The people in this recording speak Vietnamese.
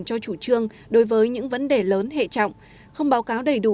cho chủ trương đối với những vấn đề lớn hệ trọng không báo cáo đầy đủ